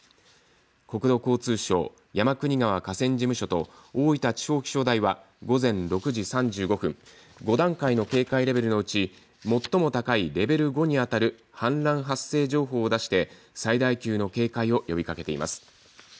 国土交通省山国川河川事務所と大分地方気象台は午前６時３５分、５段階の警戒レベルのうち最も高いレベル５にあたる氾濫発生情報を出して最大級の警戒を呼びかけています。